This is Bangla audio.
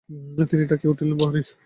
তিনি ডাকিয়া উঠিলেন, প্রহরী।